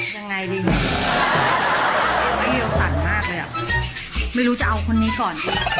ยังไงดีไม่รู้จะเอาคนนี้ก่อนดี